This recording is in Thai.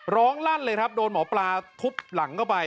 ลั่นเลยครับโดนหมอปลาทุบหลังเข้าไป